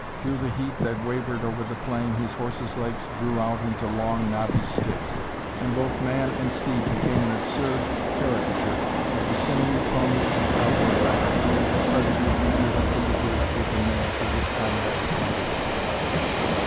Through the heat that wavered over the plain his horse's legs drew out into long, knobby sticks, and both man and steed became an absurd caricature of the sinewy pony and cowboy rider that presently cantered up to the gate with the mail for which Conrad had been waiting.